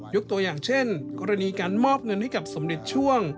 ตัวอย่างเช่นกรณีการมอบเงินให้กับสมเด็จช่วง